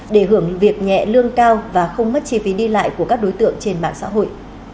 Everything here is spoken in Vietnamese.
để hưởng việc nhẹ lương cao và không mất chi phí đi lại của các đối tượng trên mạng xã hội